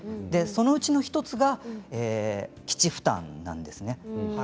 そのうちの１つが基地負担なんですね。